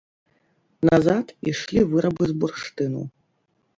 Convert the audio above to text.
Назад ішлі вырабы з бурштыну.